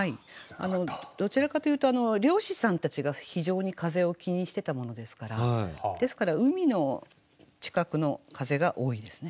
どちらかというと漁師さんたちが非常に風を気にしてたものですからですから海の近くの風が多いですね。